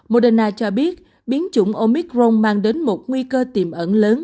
moderna cho biết biến chủng omicron mang đến một nguy cơ tiềm ẩn lớn